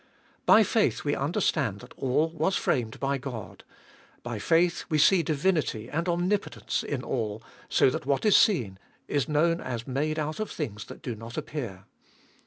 By faith we understand that all was framed by God ; by faith we see divinity and omnipotence in all, so that what is seen is known as made out of things that do not appear.